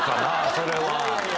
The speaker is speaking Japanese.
それは。